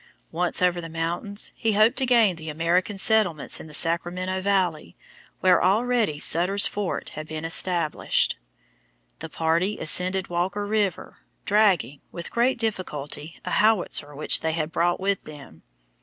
Once over the mountains, he hoped to gain the American settlements in the Sacramento Valley, where already Sutter's Fort had been established. The party ascended Walker River, dragging, with great difficulty, a howitzer which they had brought with them.